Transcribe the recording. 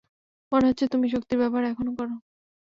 মনে হচ্ছে তুমি শক্তির ব্যবহার এখনও করো।